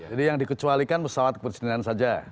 jadi yang dikecualikan pesawat kebersinian saja